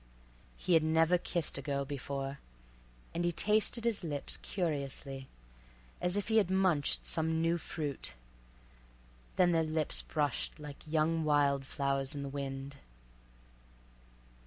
He had never kissed a girl before, and he tasted his lips curiously, as if he had munched some new fruit. Then their lips brushed like young wild flowers in the wind.